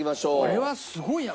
これはすごいや！